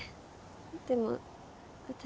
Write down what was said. でも私。